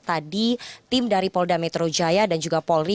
tadi tim dari polda metro jaya dan juga polri